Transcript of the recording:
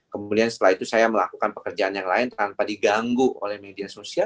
kemudian setelah itu saya melakukan pekerjaan yang lain tanpa diganggu oleh media sosial